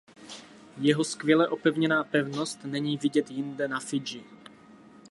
Jeho skvěle opevněná pevnost není vidět jinde na Fidži.